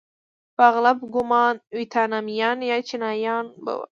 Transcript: په اغلب ګومان ویتنامیان یا چینایان به وو.